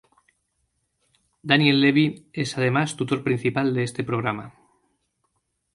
Daniel Levy es además tutor principal de este programa.